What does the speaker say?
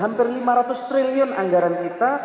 hampir lima ratus triliun anggaran kita